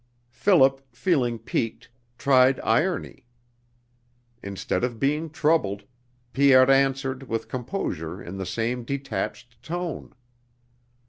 Philip, feeling piqued, tried irony. Instead of being troubled, Pierre answered with composure in the same detached tone.